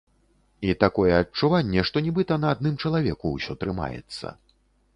І такое адчуванне, што нібыта на адным чалавеку ўсё трымаецца.